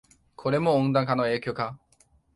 これも温暖化の影響か